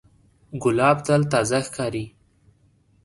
ګلاب تل تازه ښکاري.